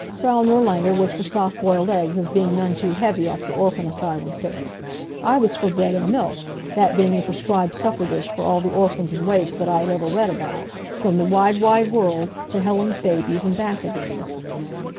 Frau Nirlanger was for soft boiled eggs as being none too heavy after orphan asylum fare; I was for bread and milk, that being the prescribed supper dish for all the orphans and waifs that I had ever read about, from "The Wide, Wide World" to "Helen's Babies," and back again.